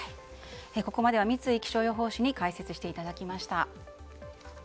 ここまで三井気象予報士に解説していただきました。